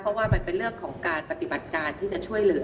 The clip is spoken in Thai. เพราะว่ามันเป็นเรื่องของการปฏิบัติการที่จะช่วยเหลือ